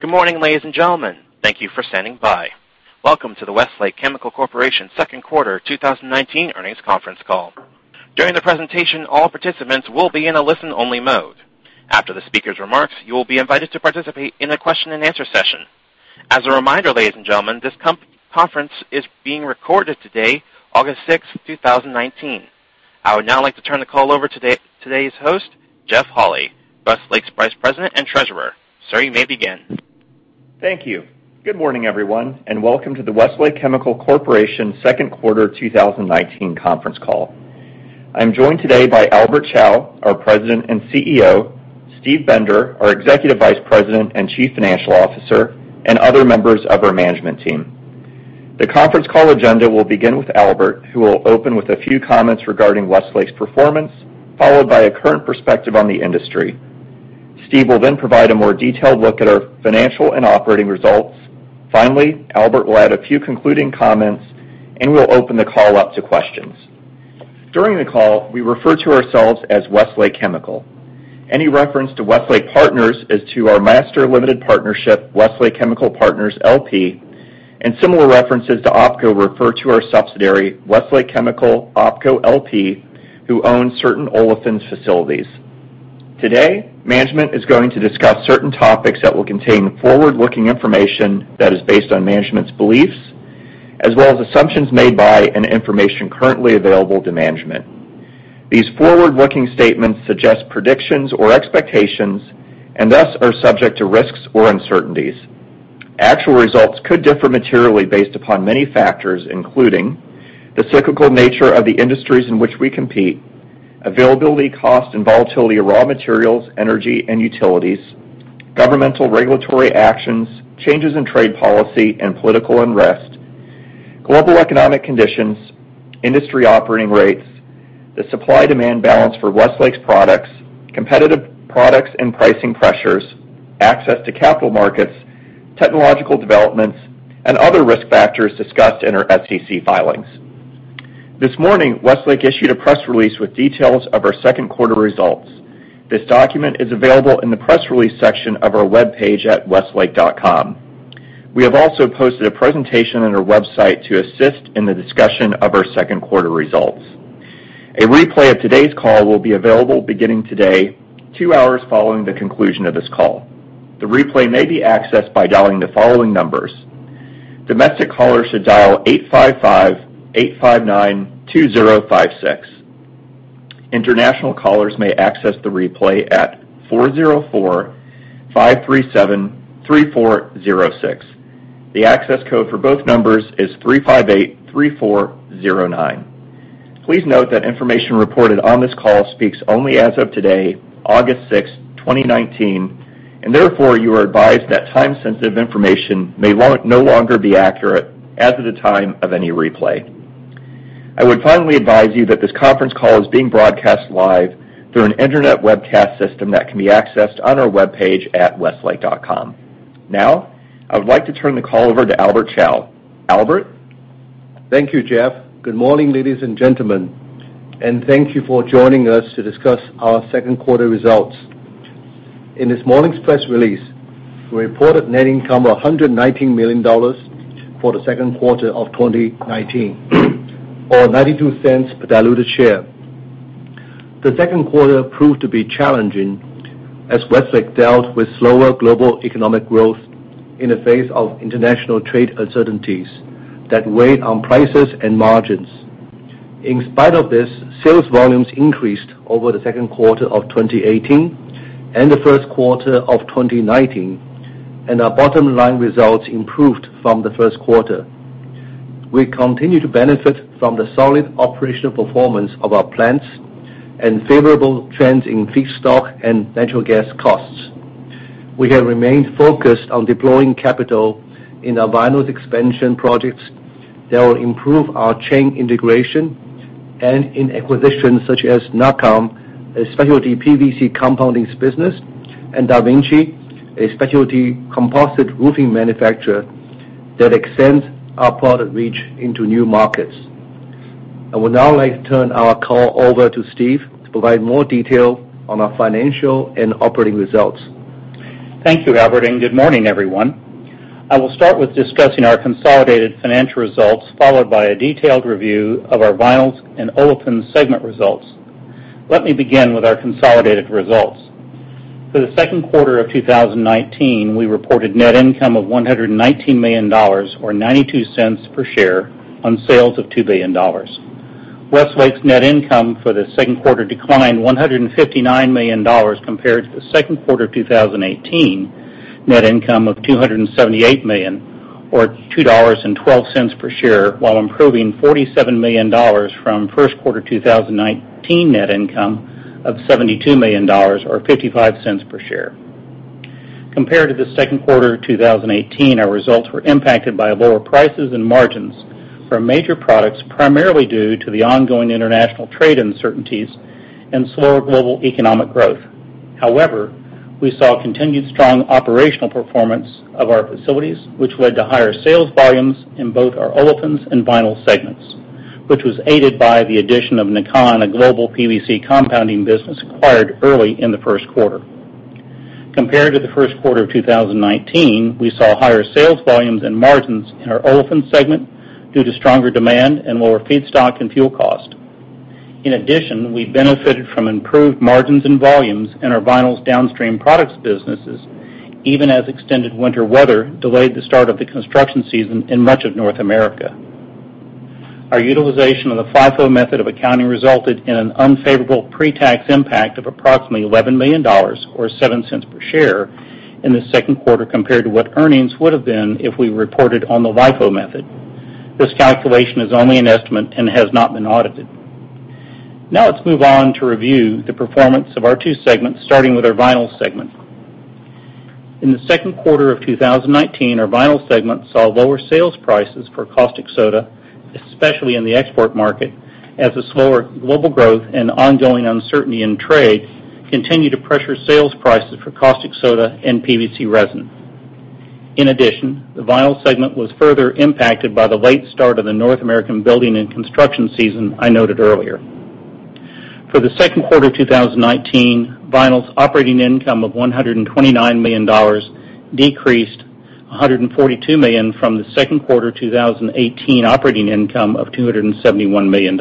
Good morning, ladies and gentlemen. Thank you for standing by. Welcome to the Westlake Chemical Corporation second quarter 2019 earnings conference call. During the presentation, all participants will be in a listen-only mode. After the speaker's remarks, you will be invited to participate in a question-and-answer session. As a reminder, ladies and gentlemen, this conference is being recorded today, August 6th, 2019. I would now like to turn the call over to today's host, Jeff Holy, Westlake's Vice President and Treasurer. Sir, you may begin. Thank you. Good morning, everyone, and welcome to the Westlake Chemical Corporation second quarter 2019 conference call. I'm joined today by Albert Chao, our President and CEO, Steve Bender, our Executive Vice President and Chief Financial Officer, and other members of our management team. The conference call agenda will begin with Albert, who will open with a few comments regarding Westlake's performance, followed by a current perspective on the industry. Steve will then provide a more detailed look at our financial and operating results. Finally, Albert will add a few concluding comments, and we'll open the call up to questions. During the call, we refer to ourselves as Westlake Chemical. Any reference to Westlake Partners is to our master limited partnership, Westlake Chemical Partners, LP, and similar references to OpCo refer to our subsidiary, Westlake Chemical OpCo LP, who own certain olefins facilities. Today, management is going to discuss certain topics that will contain forward-looking information that is based on management's beliefs, as well as assumptions made by and information currently available to management. These forward-looking statements suggest predictions or expectations, and thus are subject to risks or uncertainties. Actual results could differ materially based upon many factors, including the cyclical nature of the industries in which we compete, availability, cost, and volatility of raw materials, energy, and utilities, governmental regulatory actions, changes in trade policy and political unrest, global economic conditions, industry operating rates, the supply-demand balance for Westlake's products, competitive products and pricing pressures, access to capital markets, technological developments, and other risk factors discussed in our SEC filings. This morning, Westlake issued a press release with details of our second quarter results. This document is available in the press release section of our webpage at westlake.com. We have also posted a presentation on our website to assist in the discussion of our second quarter results. A replay of today's call will be available beginning today, two hours following the conclusion of this call. The replay may be accessed by dialing the following numbers. Domestic callers should dial 855-859-2056. International callers may access the replay at 404-537-3406. The access code for both numbers is 3583409. Please note that information reported on this call speaks only as of today, August 6th, 2019, and therefore, you are advised that time-sensitive information may no longer be accurate as of the time of any replay. I would finally advise you that this conference call is being broadcast live through an internet webcast system that can be accessed on our webpage at westlake.com. Now, I would like to turn the call over to Albert Chao. Albert? Thank you, Jeff. Good morning, ladies and gentlemen, and thank you for joining us to discuss our second quarter results. In this morning's press release, we reported net income of $119 million for the second quarter of 2019, or $0.92 per diluted share. The second quarter proved to be challenging as Westlake dealt with slower global economic growth in the face of international trade uncertainties that weighed on prices and margins. In spite of this, sales volumes increased over the second quarter of 2018 and the first quarter of 2019, and our bottom-line results improved from the first quarter. We continue to benefit from the solid operational performance of our plants and favorable trends in feedstock and natural gas costs. We have remained focused on deploying capital in our vinyls expansion projects that will improve our chain integration and in acquisitions such as NAKAN, a specialty PVC compoundings business, and DaVinci, a specialty composite roofing manufacturer that extends our product reach into new markets. I would now like to turn our call over to Steve to provide more detail on our financial and operating results. Thank you, Albert, and good morning, everyone. I will start with discussing our consolidated financial results, followed by a detailed review of our vinyls and olefins segment results. Let me begin with our consolidated results. For the second quarter of 2019, we reported net income of $119 million, or $0.92 per share on sales of $2 billion. Westlake's net income for the second quarter declined $159 million compared to the second quarter 2018 net income of $278 million, or $2.12 per share, while improving $47 million from first quarter 2019 net income of $72 million, or $0.55 per share. Compared to the second quarter 2018, our results were impacted by lower prices and margins for our major products, primarily due to the ongoing international trade uncertainties and slower global economic growth. However, we saw continued strong operational performance of our facilities, which led to higher sales volumes in both our Olefins and Vinyls segments. Which was aided by the addition of NAKAN, a global PVC compounding business acquired early in the first quarter. Compared to the first quarter of 2019, we saw higher sales volumes and margins in our Olefins segment due to stronger demand and lower feedstock and fuel cost. In addition, we benefited from improved margins and volumes in our Vinyls downstream products businesses, even as extended winter weather delayed the start of the construction season in much of North America. Our utilization of the FIFO method of accounting resulted in an unfavorable pretax impact of approximately $11 million, or $0.07 per share, in the second quarter compared to what earnings would have been if we reported on the LIFO method. This calculation is only an estimate and has not been audited. Now let's move on to review the performance of our two segments, starting with our Vinyls segment. In the second quarter of 2019, our Vinyls segment saw lower sales prices for caustic soda, especially in the export market, as the slower global growth and ongoing uncertainty in trade continued to pressure sales prices for caustic soda and PVC resin. In addition, the Vinyls segment was further impacted by the late start of the North American building and construction season I noted earlier. For the second quarter 2019, Vinyls operating income of $129 million decreased $142 million from the second quarter 2018 operating income of $271 million.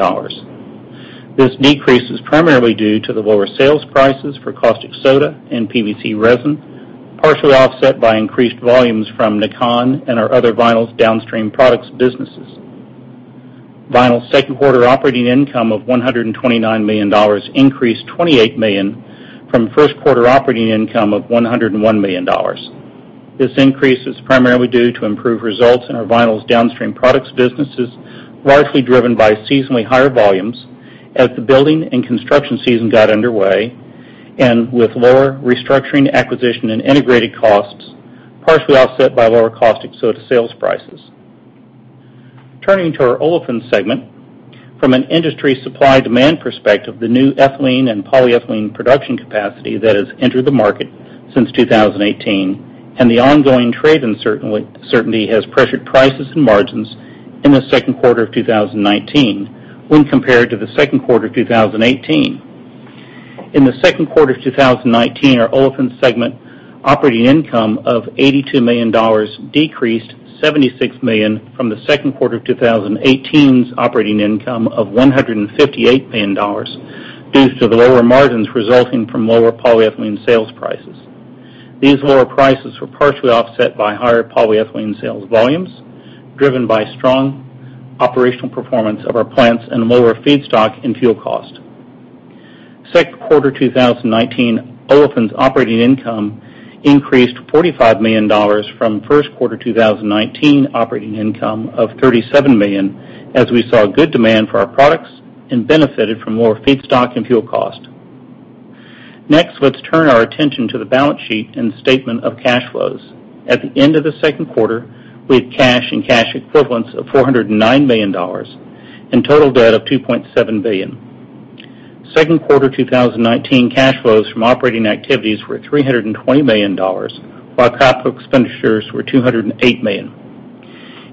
This decrease is primarily due to the lower sales prices for caustic soda and PVC resin, partially offset by increased volumes from Nakan and our other Vinyls downstream products businesses. Vinyls' second quarter operating income of $129 million increased $28 million from first quarter operating income of $101 million. This increase is primarily due to improved results in our Vinyls downstream products businesses, largely driven by seasonally higher volumes as the building and construction season got underway and with lower restructuring acquisition and integrated costs, partially offset by lower caustic soda sales prices. Turning to our Olefins segment, from an industry supply-demand perspective, the new ethylene and polyethylene production capacity that has entered the market since 2018 and the ongoing trade uncertainty has pressured prices and margins in the second quarter of 2019 when compared to the second quarter of 2018. In the second quarter of 2019, our Olefins segment operating income of $82 million decreased $76 million from the second quarter of 2018's operating income of $158 million due to the lower margins resulting from lower polyethylene sales prices. These lower prices were partially offset by higher polyethylene sales volumes, driven by strong operational performance of our plants and lower feedstock and fuel cost. Second quarter 2019 Olefins operating income increased $45 million from first quarter 2019 operating income of $37 million as we saw good demand for our products and benefited from lower feedstock and fuel cost. Let's turn our attention to the balance sheet and the statement of cash flows. At the end of the second quarter, we had cash and cash equivalents of $409 million and total debt of $2.7 billion. Second quarter 2019 cash flows from operating activities were at $320 million, while capital expenditures were $208 million.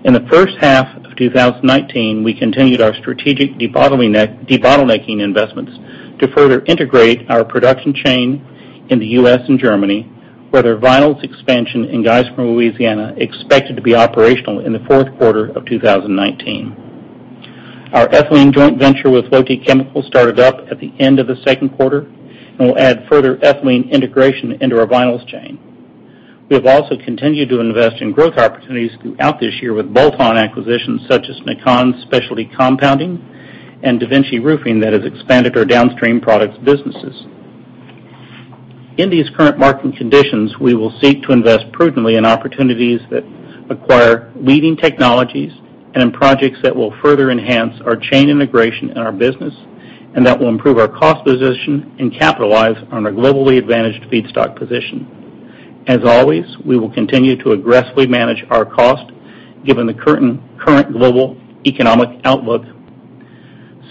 In the first half of 2019, we continued our strategic debottlenecking investments to further integrate our production chain in the U.S. and Germany, with our Vinyls expansion in Geismar, Louisiana, expected to be operational in the fourth quarter of 2019. Our ethylene joint venture with Lotte Chemical started up at the end of the second quarter and will add further ethylene integration into our Vinyls chain. We have also continued to invest in growth opportunities throughout this year with bolt-on acquisitions such as NAKAN Specialty Compounding and DaVinci Roofscapes that has expanded our downstream products businesses. In these current market conditions, we will seek to invest prudently in opportunities that acquire leading technologies and in projects that will further enhance our chain integration in our business and that will improve our cost position and capitalize on our globally advantaged feedstock position. As always, we will continue to aggressively manage our cost given the current global economic outlook.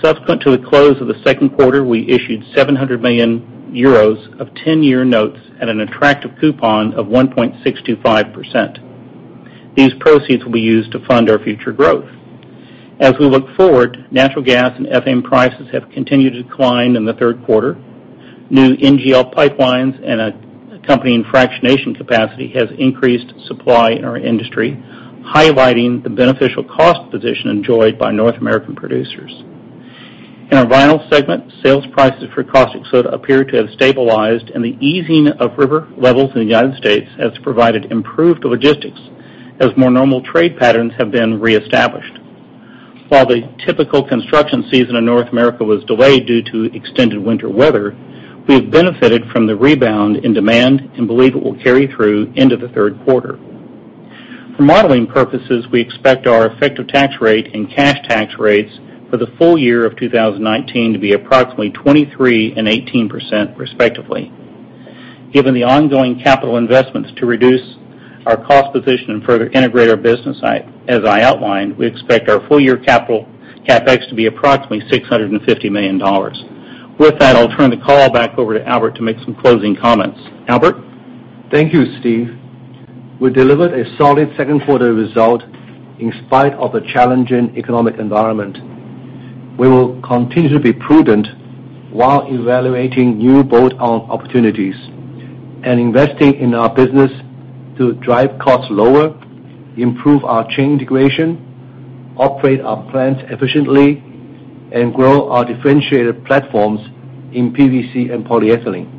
Subsequent to the close of the second quarter, we issued 700 million euros of 10-year notes at an attractive coupon of 1.625%. These proceeds will be used to fund our future growth. As we look forward, natural gas and ethane prices have continued to decline in the third quarter. New NGL pipelines and accompanying fractionation capacity has increased supply in our industry, highlighting the beneficial cost position enjoyed by North American producers. In our Vinyls segment, sales prices for caustic soda appear to have stabilized, and the easing of river levels in the U.S. has provided improved logistics as more normal trade patterns have been reestablished. While the typical construction season in North America was delayed due to extended winter weather, we have benefited from the rebound in demand and believe it will carry through into the third quarter. For modeling purposes, we expect our effective tax rate and cash tax rates for the full year of 2019 to be approximately 23% and 18%, respectively. Given the ongoing capital investments to reduce our cost position and further integrate our business, as I outlined, we expect our full-year capital CapEx to be approximately $650 million. With that, I'll turn the call back over to Albert to make some closing comments. Albert? Thank you, Steve. We delivered a solid second quarter result in spite of a challenging economic environment. We will continue to be prudent while evaluating new bolt-on opportunities and investing in our business to drive costs lower, improve our chain integration, operate our plants efficiently, and grow our differentiated platforms in PVC and polyethylene.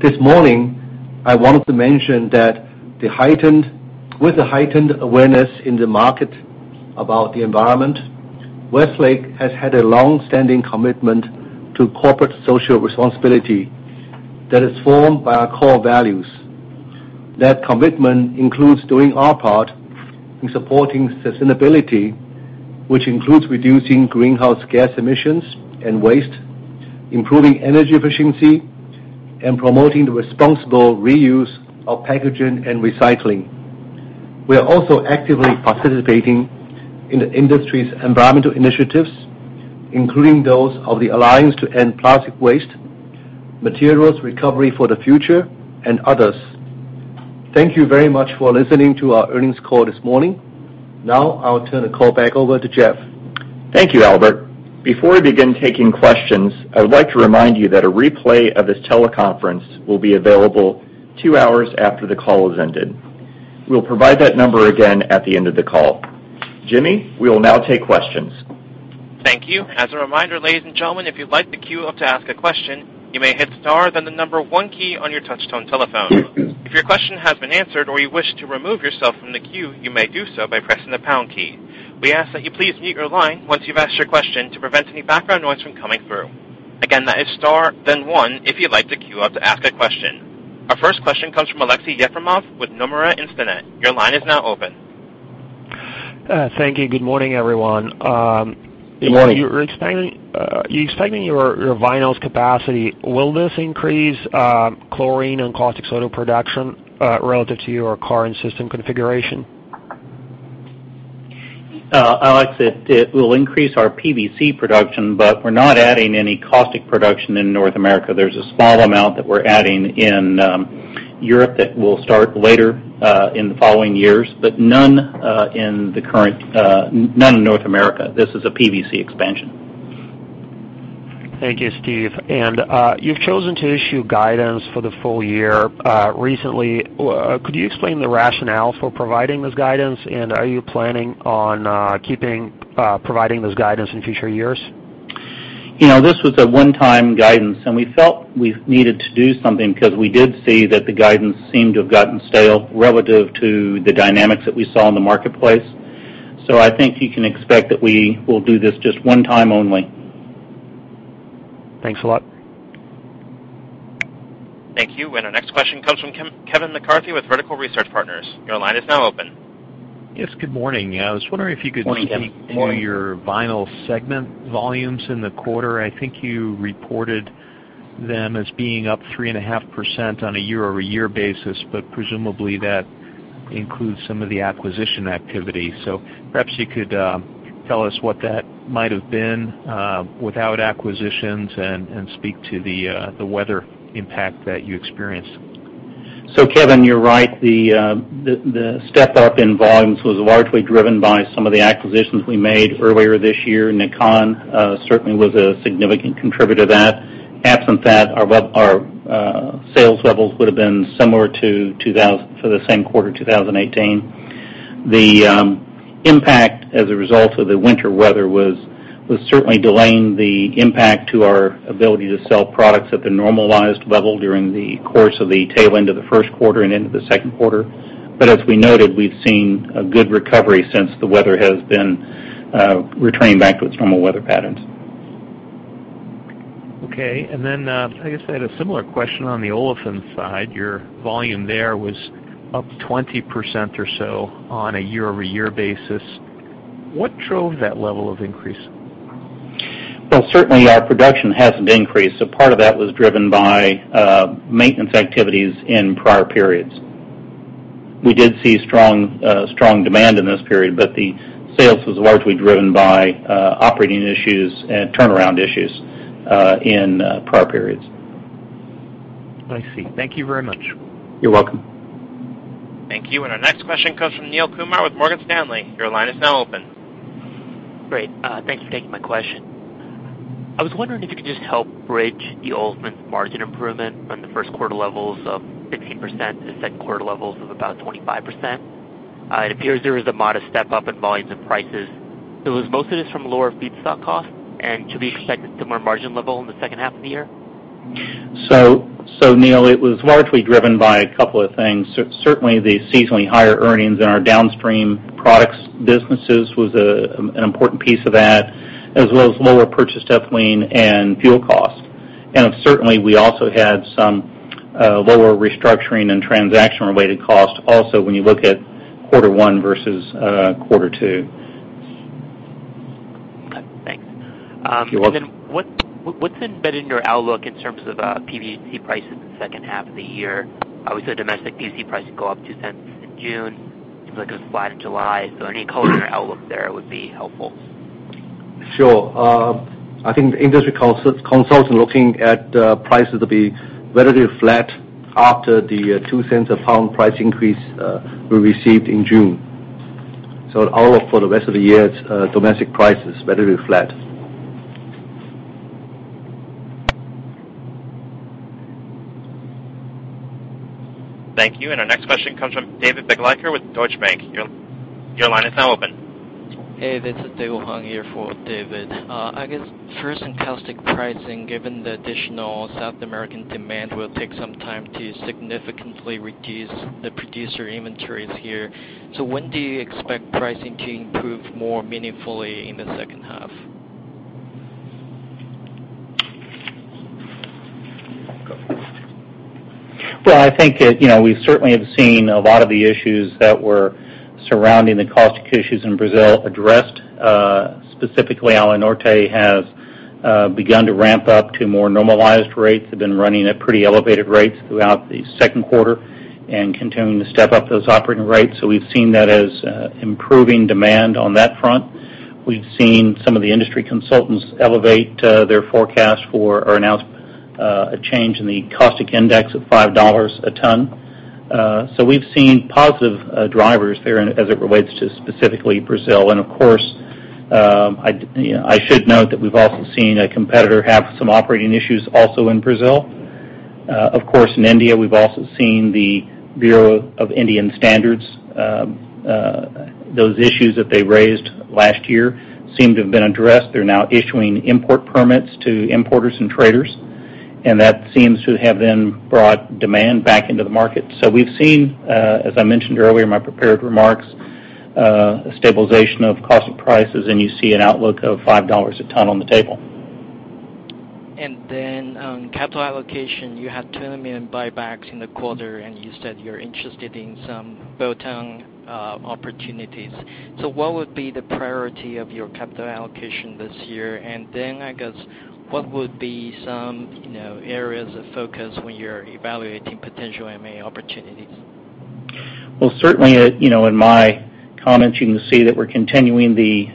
This morning, I wanted to mention that with the heightened awareness in the market about the environment, Westlake has had a long-standing commitment to corporate social responsibility that is formed by our core values. That commitment includes doing our part in supporting sustainability, which includes reducing greenhouse gas emissions and waste, improving energy efficiency, and promoting the responsible reuse of packaging and recycling. We are also actively participating in the industry's environmental initiatives, including those of the Alliance to End Plastic Waste, Materials Recovery for the Future, and others. Thank you very much for listening to our earnings call this morning. I'll turn the call back over to Jeff. Thank you, Albert. Before we begin taking questions, I'd like to remind you that a replay of this teleconference will be available two hours after the call has ended. We'll provide that number again at the end of the call. Jimmy, we will now take questions. Thank you. As a reminder, ladies and gentlemen, if you'd like to queue up to ask a question, you may hit star then the number one key on your touchtone telephone. If your question has been answered or you wish to remove yourself from the queue, you may do so by pressing the pound key. We ask that you please mute your line once you've asked your question to prevent any background noise from coming through. Again, that is star then one if you'd like to queue up to ask a question. Our first question comes from Aleksey Yefremov with Nomura Instinet. Your line is now open. Thank you. Good morning, everyone. Good morning. You're expanding your vinyls capacity. Will this increase chlorine and caustic soda production relative to your current system configuration? Aleksey, it will increase our PVC production, but we're not adding any caustic production in North America. There's a small amount that we're adding in Europe that will start later in the following years, but none in North America. This is a PVC expansion. Thank you, Steve. You've chosen to issue guidance for the full year recently. Could you explain the rationale for providing this guidance? Are you planning on keeping providing those guidance in future years? This was a one-time guidance, and we felt we needed to do something because we did see that the guidance seemed to have gotten stale relative to the dynamics that we saw in the marketplace. I think you can expect that we will do this just one time only. Thanks a lot. Thank you. Our next question comes from Kevin McCarthy with Vertical Research Partners. Your line is now open. Yes, good morning. I was wondering if you could. Morning, Kevin. Could you speak to your vinyl segment volumes in the quarter. I think you reported them as being up 3.5% on a year-over-year basis, presumably, that includes some of the acquisition activity. Perhaps you could tell us what that might have been without acquisitions and speak to the weather impact that you experienced. Kevin, you're right. The step up in volumes was largely driven by some of the acquisitions we made earlier this year. NAKAN certainly was a significant contributor to that. Absent that, our sales levels would have been similar to the same quarter 2018. The impact as a result of the winter weather was certainly delaying the impact to our ability to sell products at the normalized level during the course of the tail end of the first quarter and into the second quarter. As we noted, we've seen a good recovery since the weather has been returning back to its normal weather patterns. Okay. I guess I had a similar question on the olefin side. Your volume there was up 20% or so on a year-over-year basis. What drove that level of increase? Well, certainly our production hasn't increased. Part of that was driven by maintenance activities in prior periods. We did see strong demand in this period, the sales was largely driven by operating issues and turnaround issues in prior periods. I see. Thank you very much. You're welcome. Thank you. Our next question comes from Neel Kumar with Morgan Stanley. Your line is now open. Great. Thanks for taking my question. I was wondering if you could just help bridge the olefin margin improvement from the first quarter levels of 15% to second quarter levels of about 25%. It appears there was a modest step up in volumes and prices. Was most of this from lower feedstock cost? Should we expect a similar margin level in the second half of the year? Neel, it was largely driven by a couple of things. Certainly, the seasonally higher earnings in our downstream products businesses was an important piece of that, as well as lower purchased ethylene and fuel cost. Certainly, we also had some lower restructuring and transaction related cost also when you look at quarter one versus quarter two. Okay, thanks. You're welcome. What's embedded in your outlook in terms of PVC prices in the second half of the year? Obviously, domestic PVC pricing go up $0.02 in June. Seems like it was flat in July. Any color in your outlook there would be helpful. Sure. I think the industry consultant looking at prices will be relatively flat after the $0.02 a pound price increase we received in June. Our outlook for the rest of the year, its domestic price is relatively flat. Thank you. Our next question comes from David Begleiter with Deutsche Bank. Your line is now open. Hey, this is Dawang here for David. I guess first in caustic pricing, given the additional South American demand will take some time to significantly reduce the producer inventories here. When do you expect pricing to improve more meaningfully in the second half? Well, I think that we certainly have seen a lot of the issues that were surrounding the caustic issues in Brazil addressed. Specifically, Alunorte has begun to ramp up to more normalized rates. They've been running at pretty elevated rates throughout the second quarter and continuing to step up those operating rates. We've seen that as improving demand on that front. We've seen some of the industry consultants elevate their forecast for or announce a change in the caustic index of $5 a ton. We've seen positive drivers there as it relates to specifically Brazil. Of course, I should note that we've also seen a competitor have some operating issues also in Brazil. Of course, in India, we've also seen the Bureau of Indian Standards. Those issues that they raised last year seem to have been addressed. They're now issuing import permits to importers and traders. That seems to have then brought demand back into the market. We've seen, as I mentioned earlier in my prepared remarks, a stabilization of caustic prices, and you see an outlook of $5 a ton on the table. On capital allocation, you had $200 million buybacks in the quarter, and you said you're interested in some bolt-on opportunities. What would be the priority of your capital allocation this year? I guess, what would be some areas of focus when you're evaluating potential M&A opportunities? Well, certainly, in my comments, you can see that we're continuing the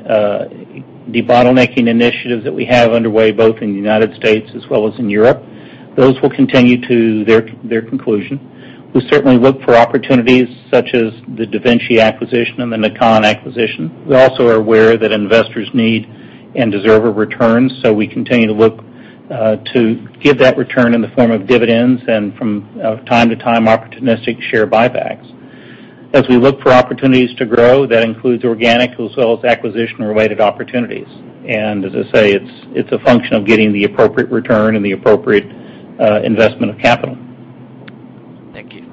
bottlenecking initiatives that we have underway, both in the U.S. as well as in Europe. Those will continue to their conclusion. We certainly look for opportunities such as the DaVinci acquisition and the NAKAN acquisition. We also are aware that investors need and deserve a return, so we continue to look to give that return in the form of dividends and from time to time, opportunistic share buybacks. As we look for opportunities to grow, that includes organic as well as acquisition-related opportunities. As I say, it's a function of getting the appropriate return and the appropriate investment of capital. Thank you.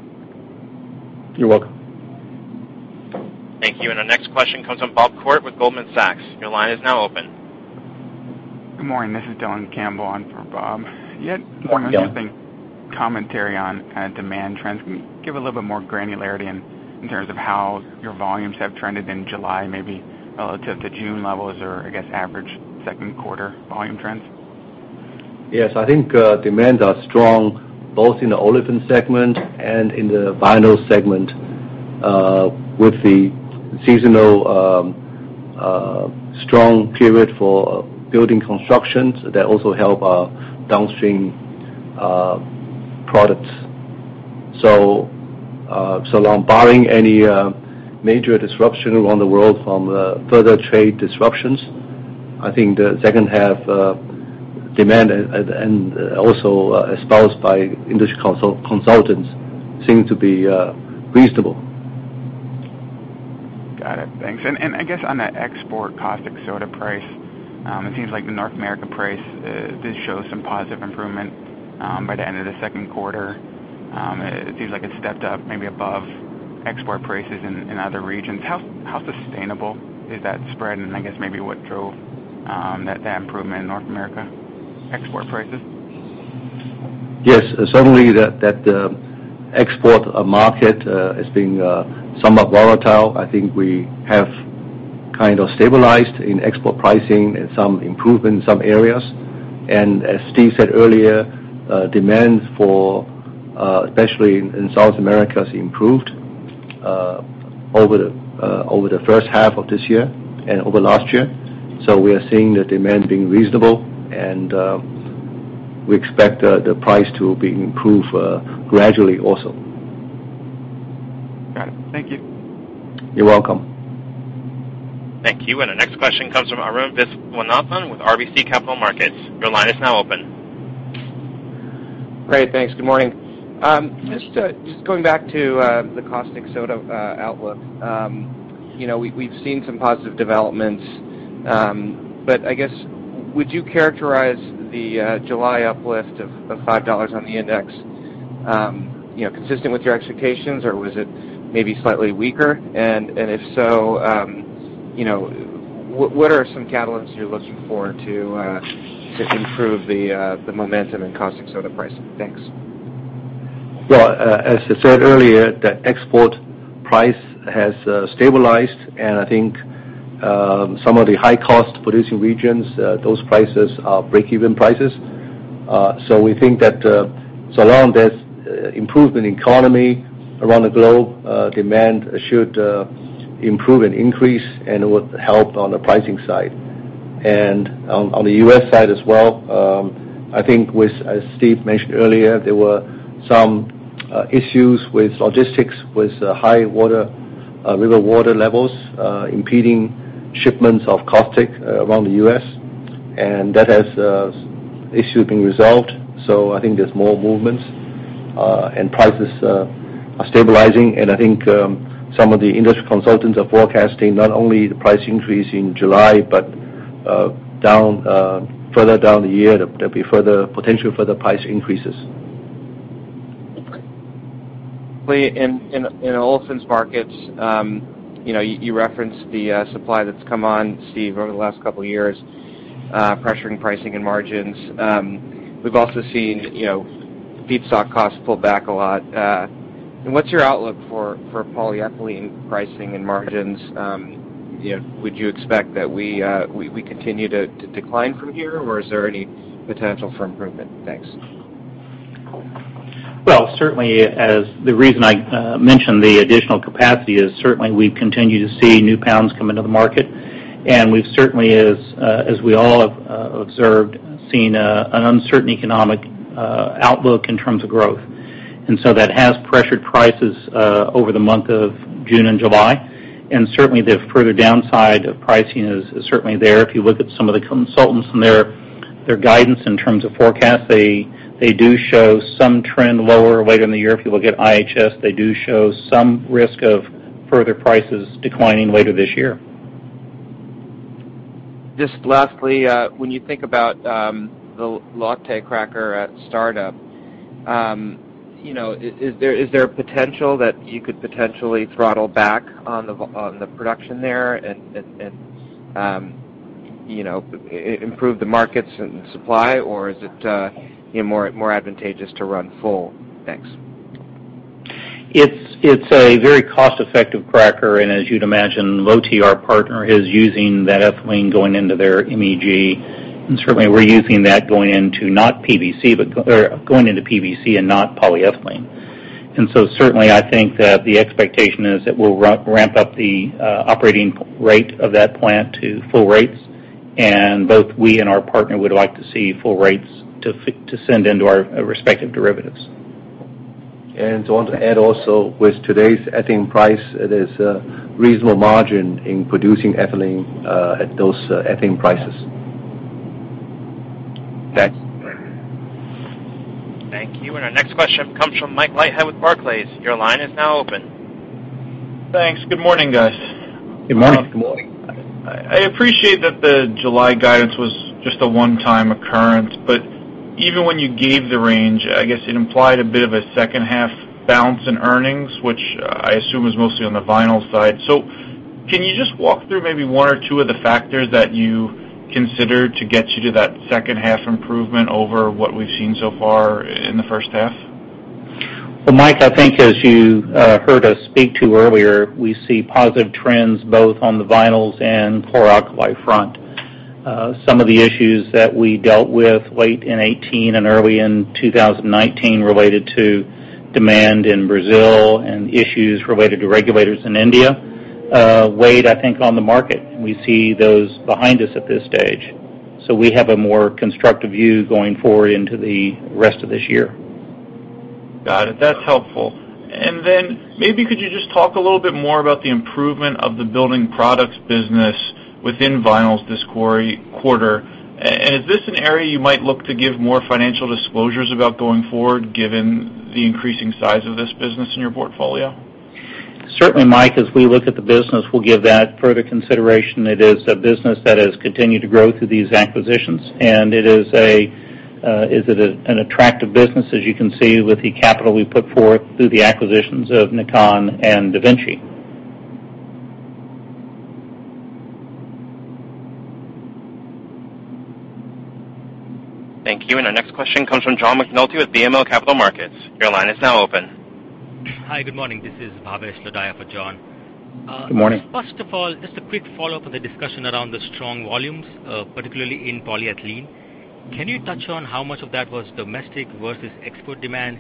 You're welcome. Thank you. Our next question comes from Bob Koort with Goldman Sachs. Your line is now open. Good morning. This is Dylan Campbell on for Bob. Morning, Dylan. You had morning, I think, commentary on demand trends. Can you give a little bit more granularity in terms of how your volumes have trended in July, maybe relative to June levels or, I guess, average second quarter volume trends? Yes, I think demands are strong both in the olefin segment and in the vinyl segment with the seasonal strong period for building constructions that also help our downstream products. Long barring any major disruption around the world from further trade disruptions, I think the second half demand and also espoused by industry consultants seem to be reasonable. Got it. Thanks. I guess on that export caustic soda price, it seems like the North America price did show some positive improvement by the end of the second quarter. It seems like it stepped up maybe above export prices in other regions. How sustainable is that spread? I guess maybe what drove that improvement in North America export prices? Yes. Certainly that export market has been somewhat volatile. I think we have kind of stabilized in export pricing and some improvement in some areas. As Steve said earlier, demand for especially in South America has improved over the first half of this year and over last year. We are seeing the demand being reasonable, and we expect the price to improve gradually also. Got it. Thank you. You're welcome. Thank you. Our next question comes from Arun Viswanathan with RBC Capital Markets. Your line is now open. Great. Thanks. Good morning. Just going back to the caustic soda outlook. We've seen some positive developments. I guess, would you characterize the July uplift of $5 on the index consistent with your expectations, or was it maybe slightly weaker? If so, what are some catalysts you're looking for to improve the momentum in caustic soda pricing? Thanks. Well, as I said earlier, the export price has stabilized, and I think some of the high cost producing regions, those prices are break-even prices. We think that so long there's improvement in economy around the globe, demand should improve and increase, and it would help on the pricing side. On the U.S. side as well, I think with, as Steve mentioned earlier, there were some issues with logistics, with high river water levels impeding shipments of caustic around the U.S., and that has issued and resolved. I think there's more movements, and prices are stabilizing. I think some of the industry consultants are forecasting not only the price increase in July, but further down the year, there'll be potential further price increases. Okay. In Olefins markets, you referenced the supply that's come on, Steve, over the last couple of years, pressuring pricing and margins. We've also seen feedstock costs pull back a lot. What's your outlook for polyethylene pricing and margins? Would you expect that we continue to decline from here, or is there any potential for improvement? Thanks. Certainly as the reason I mentioned the additional capacity is certainly we continue to see new pounds come into the market, we've certainly, as we all have observed, seen an uncertain economic outlook in terms of growth. That has pressured prices over the month of June and July. Certainly, the further downside of pricing is certainly there. If you look at some of the consultants and their guidance in terms of forecast, they do show some trend lower later in the year. If you look at IHS, they do show some risk of further prices declining later this year. Just lastly, when you think about the Lotte cracker at startup, is there a potential that you could potentially throttle back on the production there and improve the markets and supply, or is it more advantageous to run full? Thanks. It's a very cost-effective cracker. As you'd imagine, Lotte, our partner, is using that ethylene going into their MEG. Certainly, we're using that going into PVC and not polyethylene. Certainly, I think that the expectation is that we'll ramp up the operating rate of that plant to full rates, and both we and our partner would like to see full rates to send into our respective derivatives. I want to add also with today's ethane price, it is a reasonable margin in producing ethylene at those ethane prices. Thanks. Thank you. Our next question comes from Michael Leithead with Barclays. Your line is now open. Thanks. Good morning, guys. Good morning. Good morning. I appreciate that the July guidance was just a one-time occurrence, but even when you gave the range, I guess it implied a bit of a second half bounce in earnings, which I assume is mostly on the vinyl side. Can you just walk through maybe one or two of the factors that you consider to get you to that second half improvement over what we've seen so far in the first half? Well, Mike, I think as you heard us speak to earlier, we see positive trends both on the vinyls and chloralkali front. Some of the issues that we dealt with late in 2018 and early in 2019 related to demand in Brazil and issues related to regulators in India weighed, I think, on the market, and we see those behind us at this stage. We have a more constructive view going forward into the rest of this year. Got it. That's helpful. Maybe could you just talk a little bit more about the improvement of the building products business within vinyls this quarter? Is this an area you might look to give more financial disclosures about going forward, given the increasing size of this business in your portfolio? Certainly, Mike, as we look at the business, we'll give that further consideration. It is a business that has continued to grow through these acquisitions, and it is an attractive business, as you can see with the capital we put forth through the acquisitions of NAKAN and DaVinci Roofscapes. Thank you. Our next question comes from John McNulty with BMO Capital Markets. Your line is now open. Hi, good morning. This is Bhavesh Lodaya for John. Good morning. First of all, just a quick follow-up on the discussion around the strong volumes, particularly in polyethylene. Can you touch on how much of that was domestic versus export demand?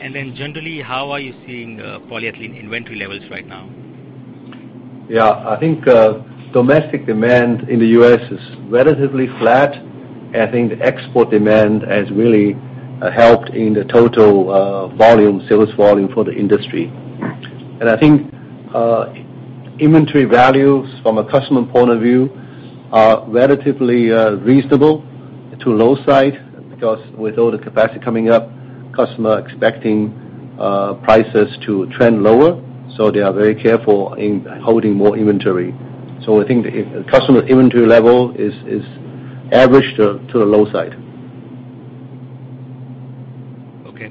Generally, how are you seeing polyethylene inventory levels right now? Yeah. I think domestic demand in the U.S. is relatively flat. I think the export demand has really helped in the total sales volume for the industry. I think inventory values from a customer point of view are relatively reasonable to low side because with all the capacity coming up, customer expecting prices to trend lower. They are very careful in holding more inventory. I think the customer inventory level is average to the low side. Okay.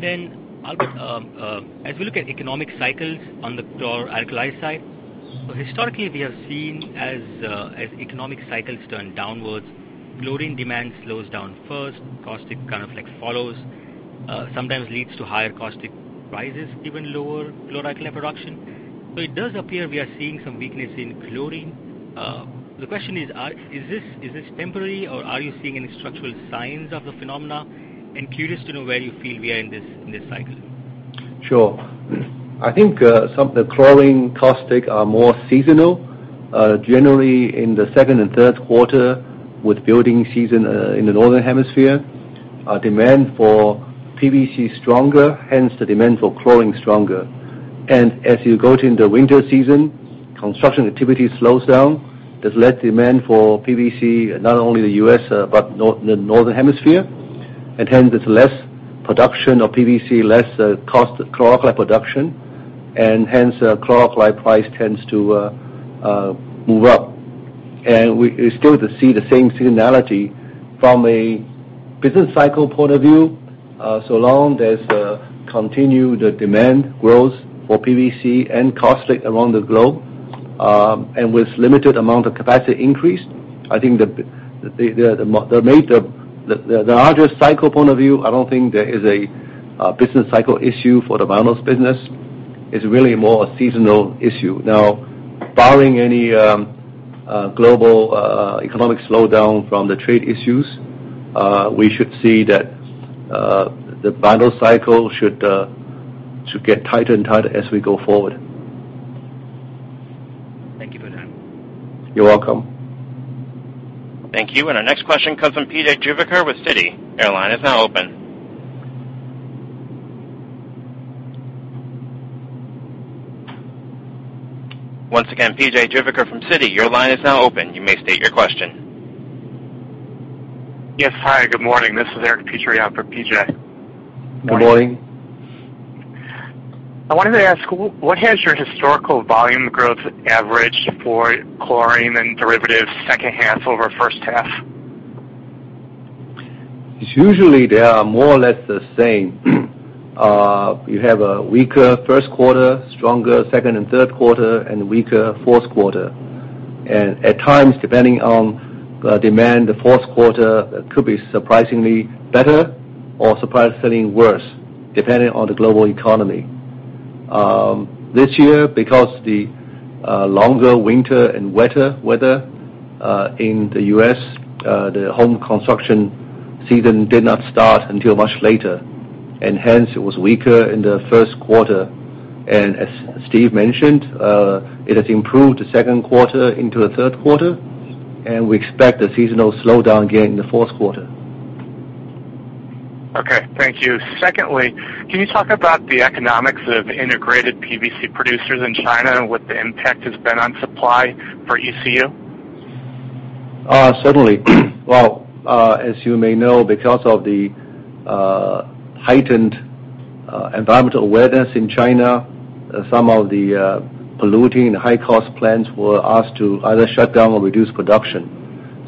Then Albert, as we look at economic cycles on the chloralkali side, historically we have seen as economic cycles turn downwards, chlorine demand slows down first, caustic kind of follows. Sometimes leads to higher caustic prices given lower chloralkali production. It does appear we are seeing some weakness in chlorine. The question is: Is this temporary, or are you seeing any structural signs of the phenomena? Curious to know where you feel we are in this cycle. Sure. I think some of the chlorine caustic are more seasonal. Generally, in the second and third quarter with building season in the Northern Hemisphere, demand for PVC is stronger, hence the demand for chlorine is stronger. As you go into the winter season, construction activity slows down. There's less demand for PVC, not only the U.S. but the Northern Hemisphere. Hence, there's less production of PVC, less chloralkali production, and hence, chloralkali price tends to move up. We still see the same seasonality from a business cycle point of view. Long there's continued demand growth for PVC and caustic around the globe, and with limited amount of capacity increase, I think the larger cycle point of view, I don't think there is a business cycle issue for the vinyls business. It's really more a seasonal issue. Barring any global economic slowdown from the trade issues, we should see that the vinyl cycle should get tighter and tighter as we go forward. Thank you for that. You're welcome. Thank you. Our next question comes from P.J. Juvekar with Citi. Your line is now open. Once again, P.J. Juvekar from Citi, your line is now open. You may state your question. Yes. Hi, good morning. This is Eric Petry on for P.J. Good morning. I wanted to ask, what has your historical volume growth averaged for chlorine and derivatives second half over first half? It's usually they are more or less the same. You have a weaker first quarter, stronger second and third quarter, and weaker fourth quarter. At times, depending on the demand, the fourth quarter could be surprisingly better or surprisingly worse, depending on the global economy. This year, because of the longer winter and wetter weather in the U.S., the home construction season did not start until much later, and hence it was weaker in the first quarter. As Steve mentioned, it has improved the second quarter into the third quarter, and we expect a seasonal slowdown again in the fourth quarter. Okay. Thank you. Secondly, can you talk about the economics of integrated PVC producers in China and what the impact has been on supply for ECU? Certainly. Well, as you may know, because of the heightened environmental awareness in China, some of the polluting and high-cost plants were asked to either shut down or reduce production.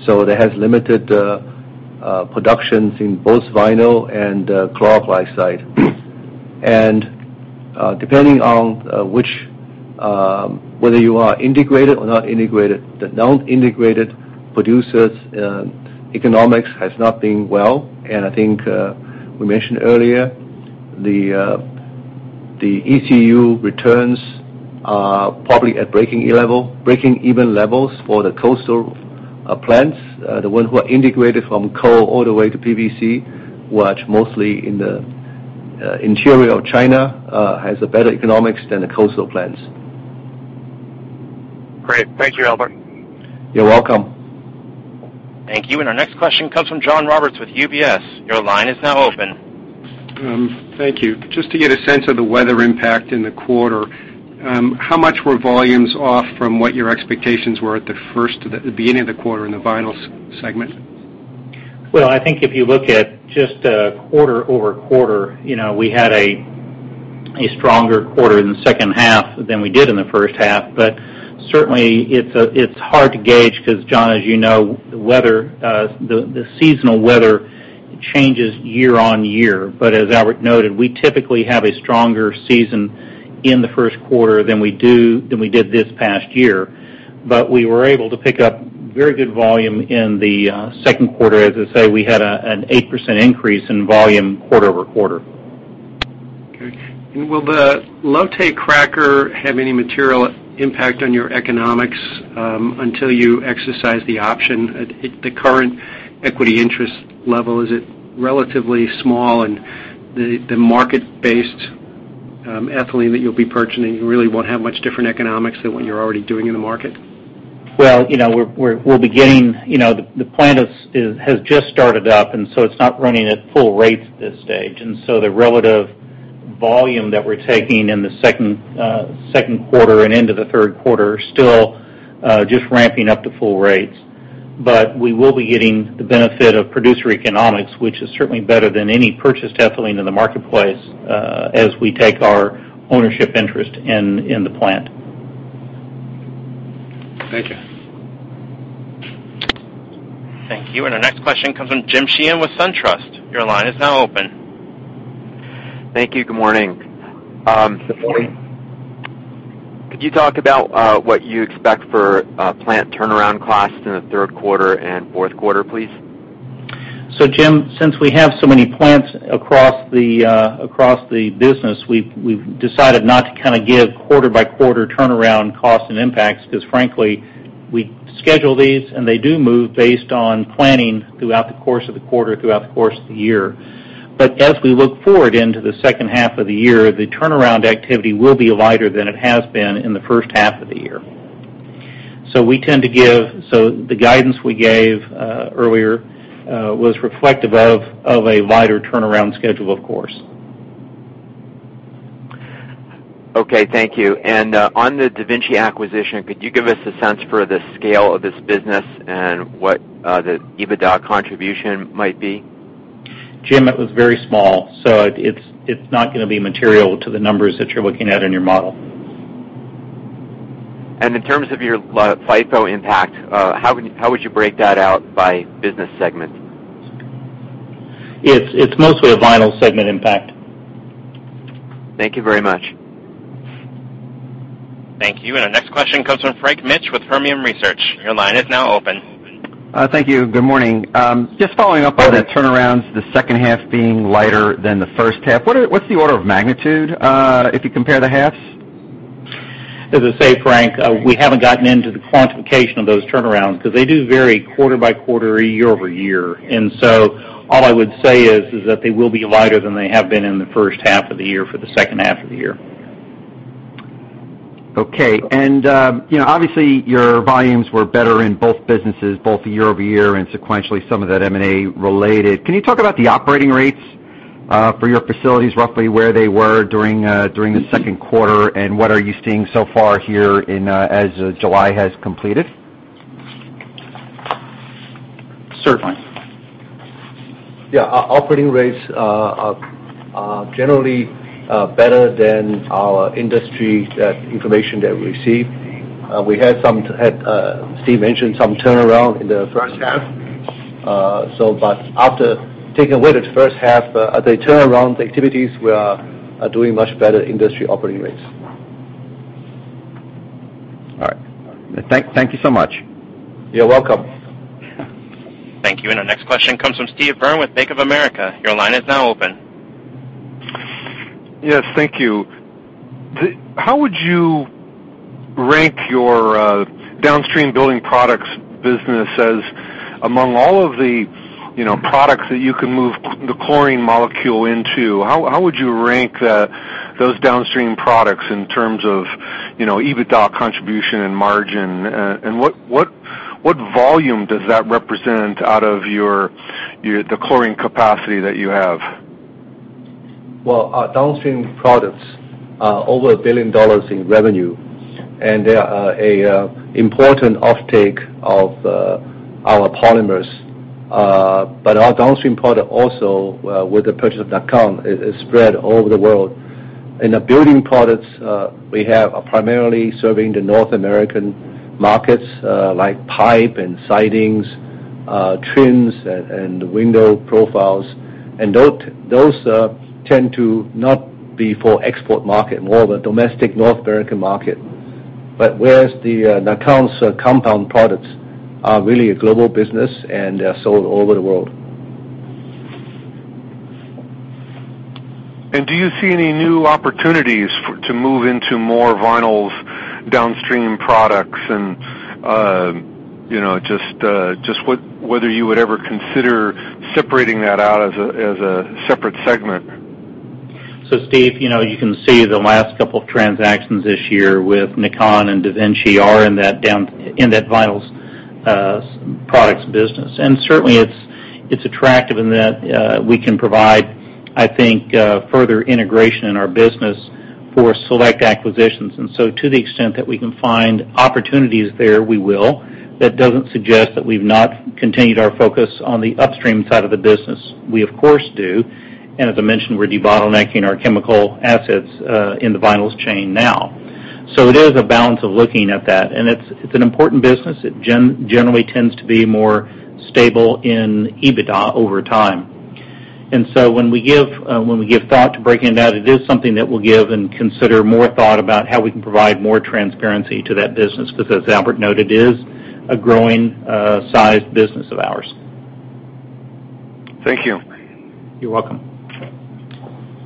They have limited productions in both vinyl and chloralkali site. Depending on whether you are integrated or not integrated, the non-integrated producers' economics has not been well, and I think we mentioned earlier, the ECU returns are probably at breaking even levels for the coastal plants. The ones who are integrated from coal all the way to PVC, which mostly in the interior of China, has a better economics than the coastal plants. Great. Thank you, Albert. You're welcome. Thank you. Our next question comes from John Roberts with UBS. Your line is now open. Thank you. Just to get a sense of the weather impact in the quarter, how much were volumes off from what your expectations were at the beginning of the quarter in the vinyls segment? Well, I think if you look at just a quarter-over-quarter, we had a stronger quarter in the second half than we did in the first half. Certainly, it's hard to gauge because, John, as you know, the seasonal weather changes year-on-year. As Albert noted, we typically have a stronger season in the first quarter than we did this past year. We were able to pick up very good volume in the second quarter. As I say, we had an 8% increase in volume quarter-over-quarter. Okay. Will the Lotte cracker have any material impact on your economics until you exercise the option at the current equity interest level? Is it relatively small, and the market-based ethylene that you'll be purchasing really won't have much different economics than what you're already doing in the market? Well, the plant has just started up, so it's not running at full rates at this stage. The relative volume that we're taking in the second quarter and into the third quarter are still just ramping up to full rates. We will be getting the benefit of producer economics, which is certainly better than any purchased ethylene in the marketplace as we take our ownership interest in the plant. Thank you. Thank you. Our next question comes from James Sheehan with SunTrust. Your line is now open. Thank you. Good morning. Good morning. Could you talk about what you expect for plant turnaround costs in the third quarter and fourth quarter, please? James, since we have so many plants across the business, we've decided not to give quarter-by-quarter turnaround costs and impacts because frankly, we schedule these and they do move based on planning throughout the course of the quarter, throughout the course of the year. As we look forward into the second half of the year, the turnaround activity will be lighter than it has been in the first half of the year. The guidance we gave earlier was reflective of a lighter turnaround schedule, of course. Okay, thank you. On the DaVinci Roofscapes acquisition, could you give us a sense for the scale of this business and what the EBITDA contribution might be? Jim, it was very small, so it's not going to be material to the numbers that you're looking at in your model. In terms of your FIFO impact, how would you break that out by business segment? It's mostly a vinyl segment impact. Thank you very much. Thank you. Our next question comes from Frank Mitsch with Fermium Research. Your line is now open. Thank you. Good morning. Just following up on the turnarounds, the second half being lighter than the first half. What's the order of magnitude, if you compare the halves? As I say, Frank, we haven't gotten into the quantification of those turnarounds because they do vary quarter by quarter, year over year. All I would say is that they will be lighter than they have been in the first half of the year for the second half of the year. Okay. Obviously, your volumes were better in both businesses, both year-over-year and sequentially, some of that M&A related. Can you talk about the operating rates for your facilities, roughly where they were during the second quarter, and what are you seeing so far here as July has completed? Certainly. Operating rates are generally better than our industry information that we receive. Steve mentioned some turnaround in the first half. After taking away that first half, the turnaround activities, we are doing much better industry operating rates. All right. Thank you so much. You're welcome. Thank you. Our next question comes from Steve Byrne with Bank of America. Your line is now open. Yes, thank you. How would you rank your downstream building products business as among all of the products that you can move the chlorine molecule into? How would you rank those downstream products in terms of EBITDA contribution and margin? What volume does that represent out of the chlorine capacity that you have? Well, our downstream products are over $1 billion in revenue. They are an important off-take of our polymers. Our downstream product also, with the purchase of NAKAN, is spread all over the world. In the building products, we have primarily serving the North American markets, like pipe and sidings, trims, and window profiles. Those tend to not be for export market, more of a domestic North American market. Whereas the NAKAN's compound products are really a global business, and they are sold all over the world. Do you see any new opportunities to move into more vinyls downstream products, and just whether you would ever consider separating that out as a separate segment? Steve, you can see the last couple of transactions this year with NAKAN and DaVinci Roofscapes are in that vinyls products business. Certainly it's attractive in that we can provide, I think, further integration in our business for select acquisitions. To the extent that we can find opportunities there, we will. That doesn't suggest that we've not continued our focus on the upstream side of the business. We of course do. As I mentioned, we're debottlenecking our chemical assets in the vinyls chain now. It is a balance of looking at that, and it's an important business. It generally tends to be more stable in EBITDA over time. When we give thought to breaking it out, it is something that we'll give and consider more thought about how we can provide more transparency to that business, because as Albert noted, it is a growing size business of ours. Thank you. You're welcome. Thank you.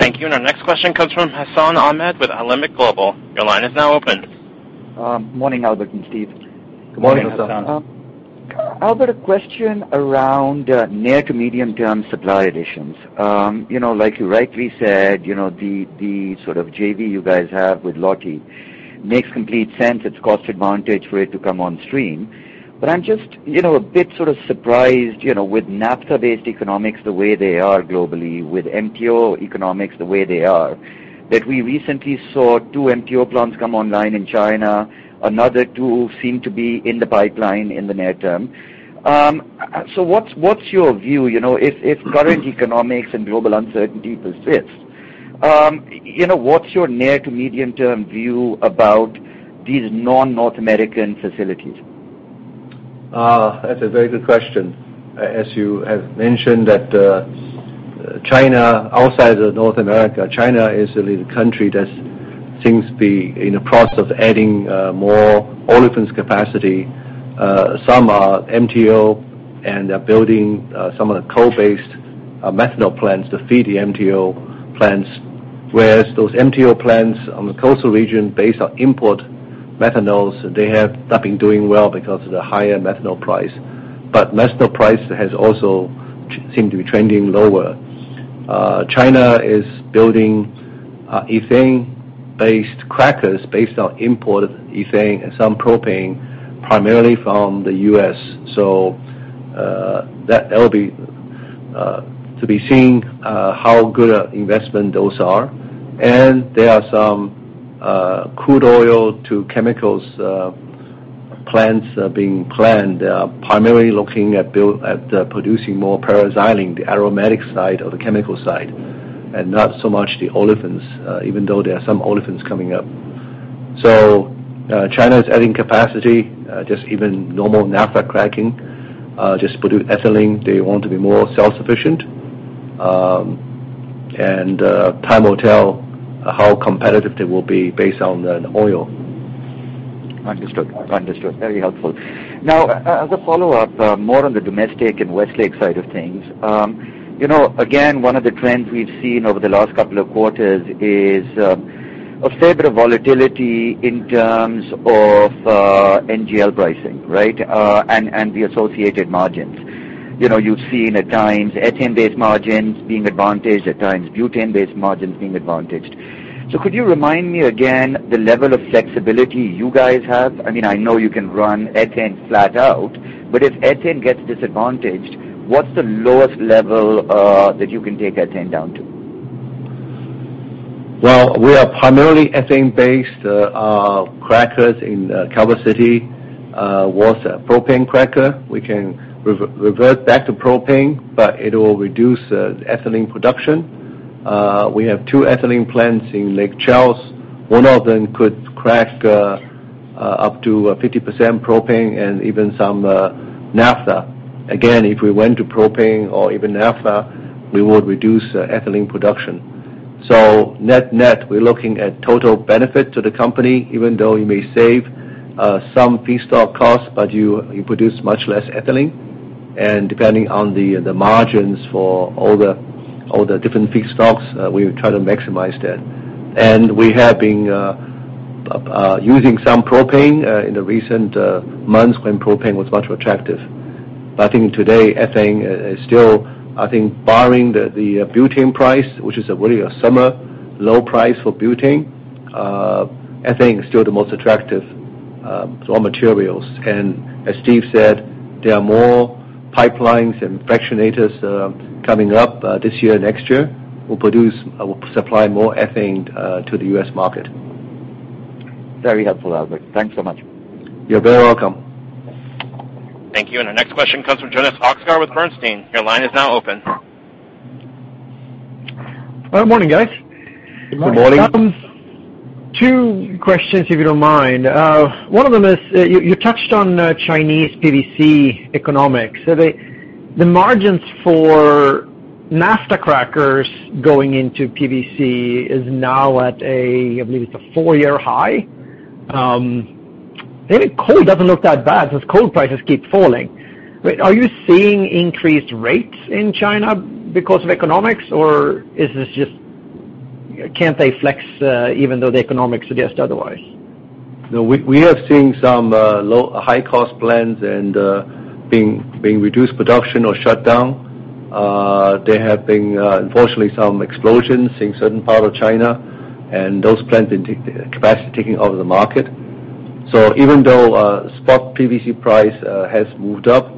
Our next question comes from Hassan Ahmed with Alembic Global. Your line is now open. Morning, Albert and Steve. Good morning, Hassan. Albert, a question around near to medium term supply additions. Like you rightly said, the sort of JV you guys have with Lotte makes complete sense. It's cost advantage for it to come on stream. I'm just a bit sort of surprised, with naphtha based economics the way they are globally, with MTO economics the way they are, that we recently saw two MTO plants come online in China. Another two seem to be in the pipeline in the near term. What's your view? If current economics and global uncertainty persist, what's your near to medium term view about these non-North American facilities? That's a very good question. As you have mentioned, outside of North America, China is a leading country that seems to be in the process of adding more olefins capacity. Some are MTO. They're building some of the coal-based methanol plants to feed the MTO plants. Whereas those MTO plants on the coastal region based on import methanols, they have not been doing well because of the higher methanol price. Methanol price has also seemed to be trending lower. China is building ethane-based crackers based on imported ethane and some propane, primarily from the U.S. That will be to be seen how good of investments those are. There are some crude oil to chemicals plants being planned. They are primarily looking at producing more para-xylene, the aromatic side or the chemical side, and not so much the olefins, even though there are some olefins coming up. China is adding capacity, just even normal naphtha cracking. Just to produce ethylene, they want to be more self-sufficient. Time will tell how competitive they will be based on the oil. Understood. Very helpful. As a follow-up, more on the domestic and Westlake side of things. Again, one of the trends we've seen over the last couple of quarters is a fair bit of volatility in terms of NGL pricing, right? The associated margins. You've seen at times ethane-based margins being advantaged, at times butane-based margins being advantaged. Could you remind me again the level of flexibility you guys have? I know you can run ethane flat out, but if ethane gets disadvantaged, what's the lowest level that you can take ethane down to? Well, we are primarily ethane-based crackers in Calvert City was propane cracker. We can revert back to propane, but it will reduce ethylene production. We have two ethylene plants in Lake Charles. One of them could crack up to 50% propane and even some naphtha. Again, if we went to propane or even naphtha, we would reduce ethylene production. Net-net, we're looking at total benefit to the company. Even though you may save some feedstock costs, but you produce much less ethylene. Depending on the margins for all the different feedstocks, we try to maximize that. We have been using some propane in the recent months when propane was much more attractive. I think today, ethane is still, I think barring the butane price, which is really a summer low price for butane, ethane is still the most attractive of materials. As Steve said, there are more pipelines and fractionators coming up this year, next year, will supply more ethane to the U.S. market. Very helpful, Albert. Thanks so much. You're very welcome. Thank you. Our next question comes from Jonas Oxgaard with Bernstein. Your line is now open. Good morning, guys. Good morning. Good morning. Two questions, if you don't mind. One of them is, you touched on Chinese PVC economics. The margins for naphtha crackers going into PVC is now at a, I believe it's a four-year high. Maybe coal doesn't look that bad since coal prices keep falling. Are you seeing increased rates in China because of economics, or can't they flex even though the economics suggest otherwise? No. We have seen some high-cost plants and being reduced production or shut down. There have been unfortunately some explosions in certain parts of China, and those plants capacity taking out of the market. Even though spot PVC price has moved up,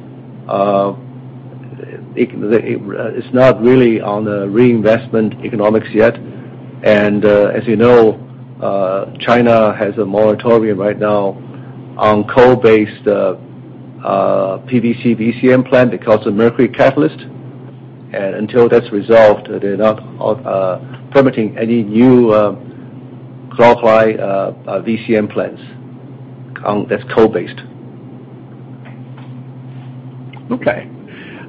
it's not really on the reinvestment economics yet. As you know, China has a moratorium right now on coal-based PVC VCM plant because of mercury catalyst. Until that's resolved, they're not permitting any new chlorine VCM plants that's coal-based. Okay.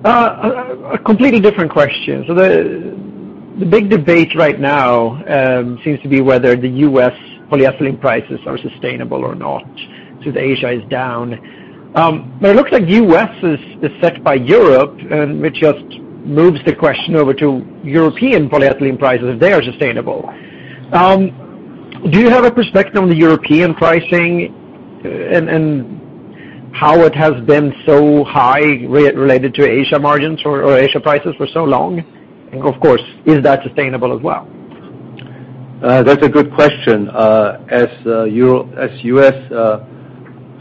A completely different question. The big debate right now seems to be whether the U.S. polyethylene prices are sustainable or not. Today Asia is down. It looks like the U.S. is set by Europe, and which just moves the question over to European polyethylene prices if they are sustainable. Do you have a perspective on the European pricing and how it has been so high related to Asia margins or Asia prices for so long? Of course, is that sustainable as well? That's a good question. As U.S.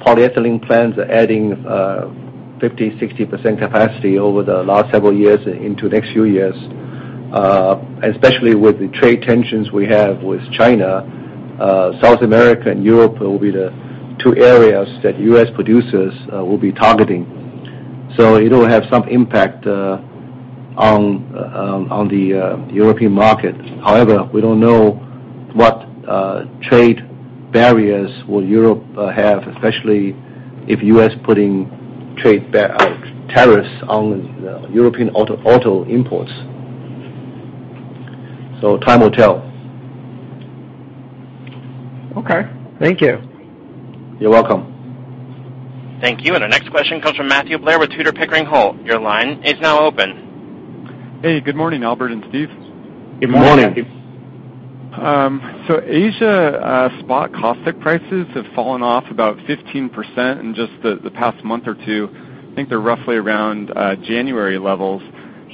polyethylene plants are adding 50%-60% capacity over the last several years into the next few years, especially with the trade tensions we have with China, South America and Europe will be the two areas that U.S. producers will be targeting. It will have some impact on the European market. However, we don't know what trade barriers will Europe have, especially if U.S. putting tariffs on European auto imports. Time will tell. Okay. Thank you. You're welcome. Thank you. Our next question comes from Matthew Blair with Tudor, Pickering, Holt. Your line is now open. Hey, good morning, Albert and Steve. Good morning. Good morning. Asia spot caustic prices have fallen off about 15% in just the past month or two. I think they're roughly around January levels.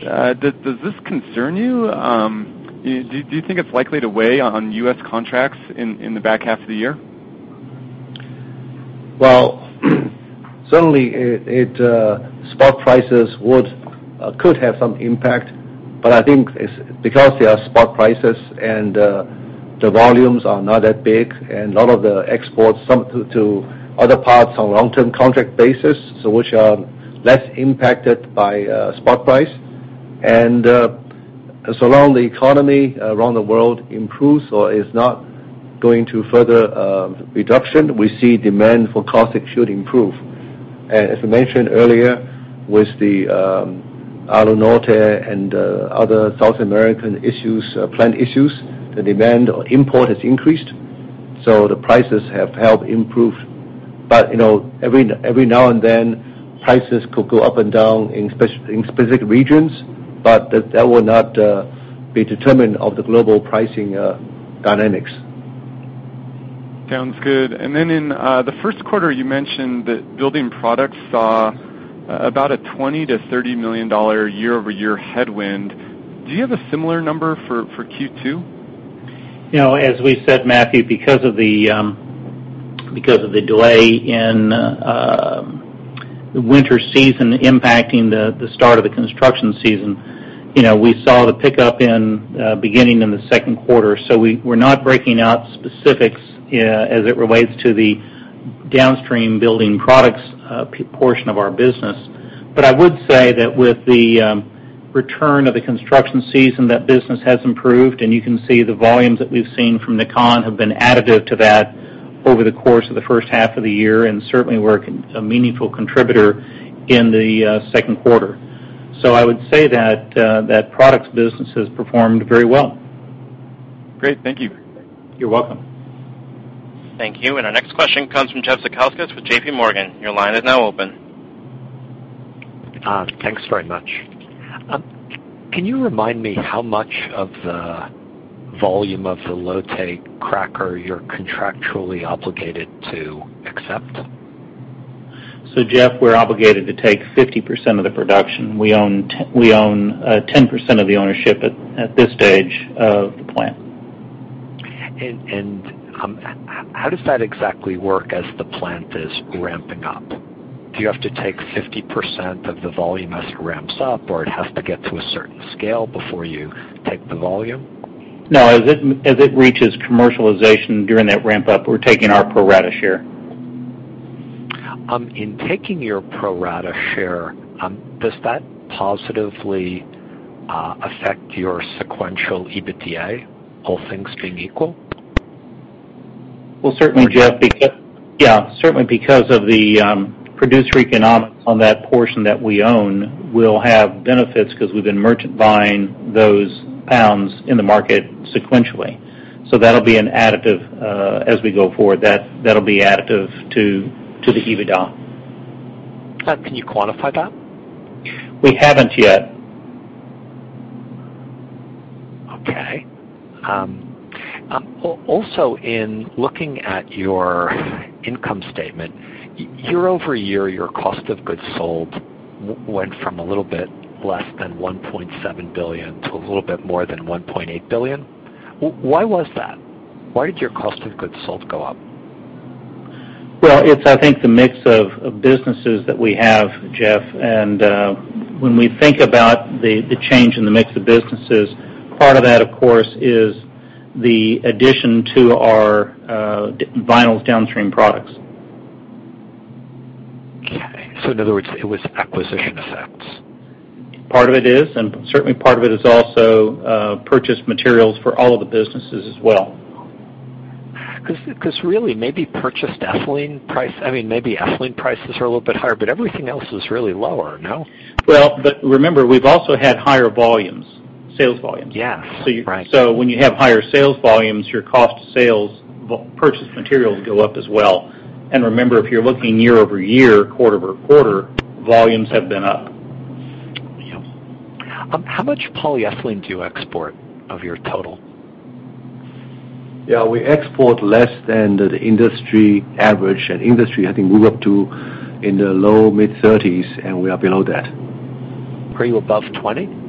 Does this concern you? Do you think it's likely to weigh on U.S. contracts in the back half of the year? Certainly spot prices could have some impact, but I think because they are spot prices and the volumes are not that big, and a lot of the exports, some to other parts on long-term contract basis, so which are less impacted by spot price. So long the economy around the world improves or is not going to further reduction, we see demand for caustic should improve. As I mentioned earlier, with the Alunorte and other South American plant issues, the demand or import has increased, so the prices have helped improve. Every now and then, prices could go up and down in specific regions. That will not be determined of the global pricing dynamics. Sounds good. In the first quarter, you mentioned that building products saw about a $20 million-$30 million year-over-year headwind. Do you have a similar number for Q2? As we said, Matthew, because of the delay in the winter season impacting the start of the construction season, we saw the pickup beginning in the second quarter. We're not breaking out specifics as it relates to the downstream building products portion of our business. I would say that with the return of the construction season, that business has improved, and you can see the volumes that we've seen from NAKAN have been additive to that over the course of the first half of the year, and certainly were a meaningful contributor in the second quarter. I would say that products business has performed very well. Great. Thank you. You're welcome. Thank you. Our next question comes from Jeffrey Zekauskas with J.P. Morgan. Your line is now open. Thanks very much. Can you remind me how much of the volume of the Lotte cracker you're contractually obligated to accept? Jeff, we're obligated to take 50% of the production. We own 10% of the ownership at this stage of the plant. In looking at your income statement, year-over-year, your cost of goods sold went from a little bit less than $1.7 billion to a little bit more than $1.8 billion. Why was that? Why did your cost of goods sold go up? Well, it's I think the mix of businesses that we have, Jeff. When we think about the change in the mix of businesses, part of that, of course, is the addition to our vinyls downstream products. Okay. In other words, it was acquisition effects. Part of it is, and certainly part of it is also purchased materials for all of the businesses as well. Really, maybe ethylene prices are a little bit higher, but everything else is really lower, no? Well, Remember, we've also had higher volumes, sales volumes. Yeah. Right. When you have higher sales volumes, your cost of sales purchase materials go up as well. Remember, if you're looking year-over-year, quarter-over-quarter, volumes have been up. Yeah. How much polyethylene do you export of your total? Yeah, we export less than the industry average. Industry, I think, move up to in the low, mid-30s, and we are below that. Are you above 20?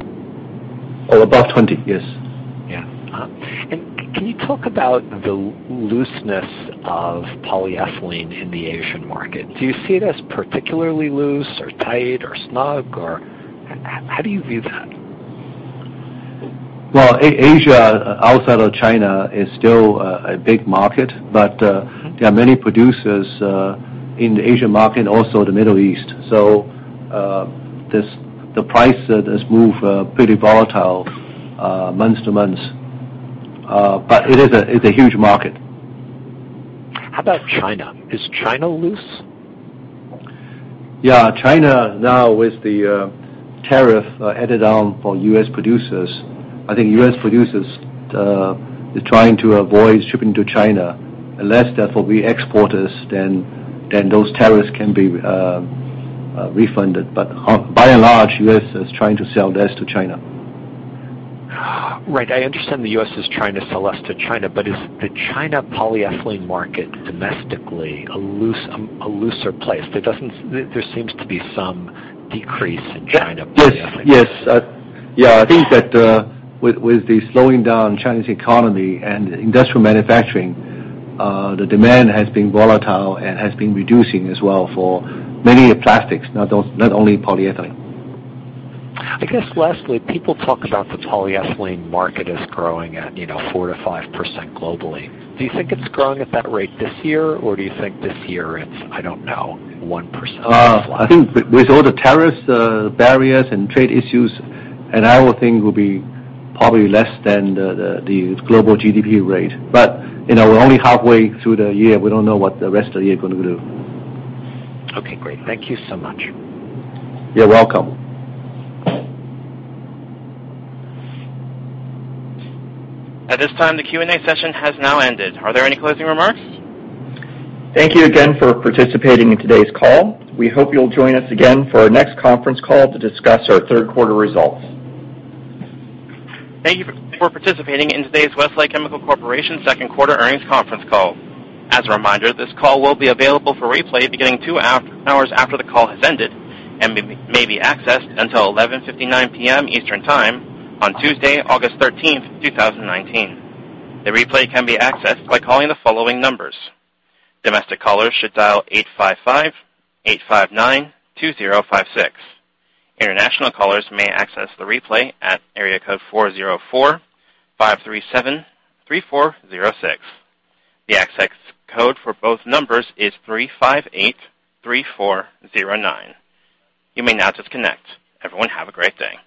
Oh, above 20? Yes. Yeah. Can you talk about the looseness of polyethylene in the Asian market? Do you see it as particularly loose or tight or snug, or how do you view that? Well, Asia, outside of China, is still a big market, but there are many producers in the Asian market, also the Middle East. The price has moved pretty volatile month to month. It's a huge market. How about China? Is China loose? Yeah, China now with the tariff headed down for U.S. producers, I think U.S. producers is trying to avoid shipping to China. Less therefore we export this, then those tariffs can be refunded. By and large, U.S. is trying to sell less to China. Right. I understand the U.S. is trying to sell less to China, but is the China polyethylene market domestically a looser place? There seems to be some decrease in China polyethylene. Yes. I think that with the slowing down Chinese economy and industrial manufacturing, the demand has been volatile and has been reducing as well for many plastics, not only polyethylene. I guess lastly, people talk about the polyethylene market is growing at 4%-5% globally. Do you think it's growing at that rate this year, or do you think this year it's, I don't know, 1%? I think with all the tariffs barriers and trade issues, I would think will be probably less than the global GDP rate. We're only halfway through the year. We don't know what the rest of the year going to do. Okay, great. Thank you so much. You're welcome. At this time, the Q&A session has now ended. Are there any closing remarks? Thank you again for participating in today's call. We hope you'll join us again for our next conference call to discuss our third quarter results. Thank you for participating in today's Westlake Chemical Corporation second quarter earnings conference call. As a reminder, this call will be available for replay beginning two hours after the call has ended and may be accessed until 11:59 P.M. Eastern Time on Tuesday, August 13th, 2019. The replay can be accessed by calling the following numbers. Domestic callers should dial 855-859-2056. International callers may access the replay at area code 404-537-3406. The access code for both numbers is 3583409. You may now disconnect. Everyone, have a great day.